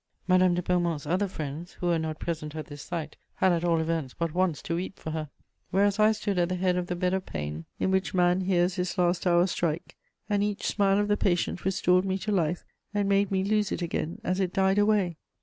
Madame de Beaumont's other friends, who were not present at this sight, had at all events but once to weep for her: whereas I stood at the head of the bed of pain in which man hears his last hour strike, and each smile of the patient restored me to life and made me lose it again as it died away.